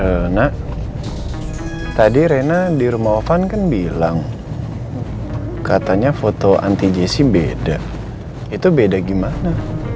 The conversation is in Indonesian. eee nak tadi reina di rumah ovan kan bilang katanya foto anti jesse beda itu beda gimana